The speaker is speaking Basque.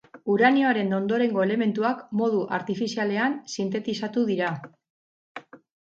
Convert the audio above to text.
Uranioaren ondorengo elementuak modu artifizialean sintetizatu dira.